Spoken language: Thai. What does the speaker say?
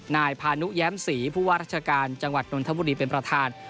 นายพานุแย้มศรีผู้ว่าราชการจังหวัดนนทบุรีเป็นประธาน